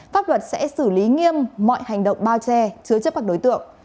pháp luật sẽ xử lý nghiêm mọi hành động bao che chứa chấp các đối tượng